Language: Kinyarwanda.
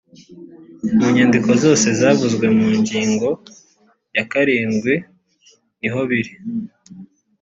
mu nyandiko zose zavuzwe mu ngingo ya karindwi nihobiri.